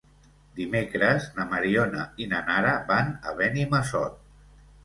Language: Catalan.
Dimecres na Mariona i na Nara van a Benimassot.